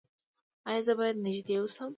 ایا زه باید نږدې اوسم؟